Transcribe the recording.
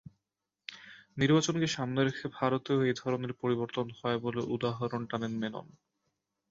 নির্বাচনকে সামনে রেখে ভারতেও এই ধরনের পরিবর্তন হয় বলে উদাহরণ টানেন মেনন।